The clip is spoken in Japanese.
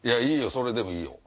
それでもいいよ。